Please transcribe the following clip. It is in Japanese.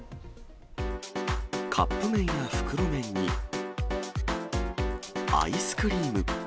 カップ麺や袋麺に、アイスクリーム。